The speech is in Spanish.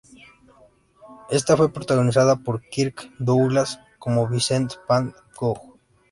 Esta fue protagonizada por Kirk Douglas como Vincent van Gogh.